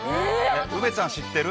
梅ちゃん、知ってる？